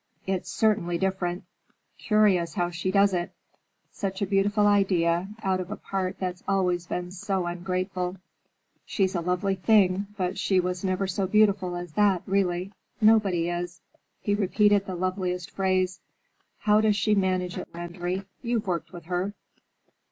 "It's certainly different. Curious how she does it. Such a beautiful idea, out of a part that's always been so ungrateful. She's a lovely thing, but she was never so beautiful as that, really. Nobody is." He repeated the loveliest phrase. "How does she manage it, Landry? You've worked with her."